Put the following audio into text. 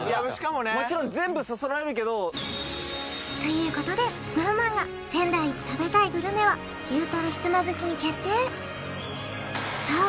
もちろん全部そそられるけどということでＳｎｏｗＭａｎが仙台一食べたいグルメは牛たんひつまぶしに決定さあ